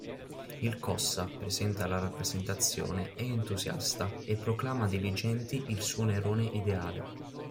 Il Cossa, presente alla rappresentazione, è entusiasta e proclama Diligenti il suo Nerone ideale.